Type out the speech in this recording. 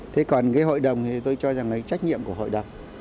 thế còn cái hội đồng thì tôi cho rằng là trách nhiệm của hội đồng